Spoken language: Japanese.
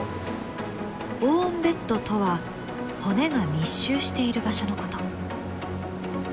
ボーンベッドとは骨が密集している場所のこと。